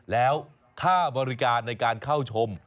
แล้วค่าบริการในการเข้าชม